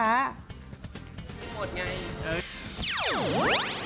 ไม่หมดไง